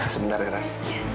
sebentar ya ras